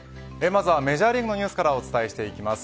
まずはメジャーリーグのニュースからお伝えしていきます。